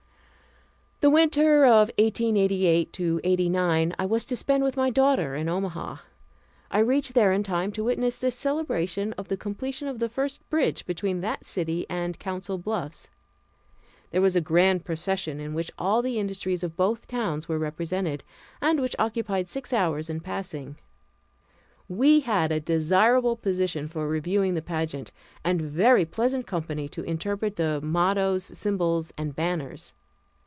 The winter of 1888 89 I was to spend with my daughter in Omaha. I reached there in time to witness the celebration of the completion of the first bridge between that city and Council Bluffs. There was a grand procession in which all the industries of both towns were represented, and which occupied six hours in passing. We had a desirable position for reviewing the pageant, and very pleasant company to interpret the mottoes, symbols, and banners.